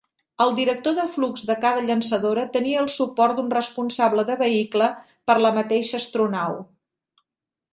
El director de flux de cada llançadora tenia el suport d'un responsable de vehicle per a la mateixa astronau.